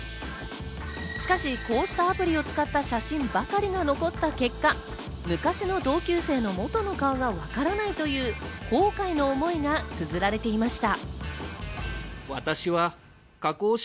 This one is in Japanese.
しかし、こうしたアプリを使った写真ばかりが残った結果、昔の同級生のもとの顔がわからないという、後悔の思いがつづられていました。